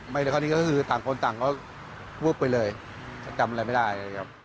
ไม่เหลือข้อนี้ก็คือต่างคนต่างก็วึกไปเลยจัดกรรมอะไรไม่ได้